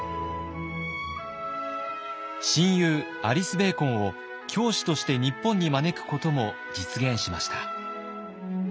親友アリス・ベーコンを教師として日本に招くことも実現しました。